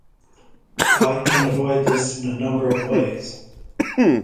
White can avoid this in a number of ways.